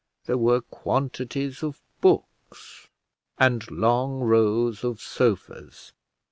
There were quantities of books, and long rows of sofas.